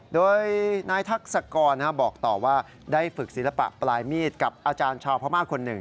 โดยนายทักษกรบอกต่อว่าได้ฝึกศิลปะปลายมีดกับอาจารย์ชาวพม่าคนหนึ่ง